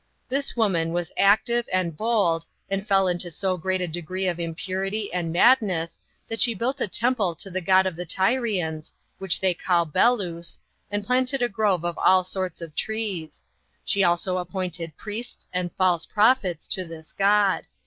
This woman was active and bold, and fell into so great a degree of impurity and madness, that she built a temple to the god of the Tyrians, Which they call Belus, and planted a grove of all sorts of trees; she also appointed priests and false prophets to this god.